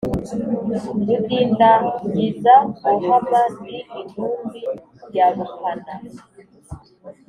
Rudindagiza guhama, ndi itumbi rya bukana